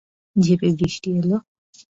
ঝেঁপে বৃষ্টি এলো।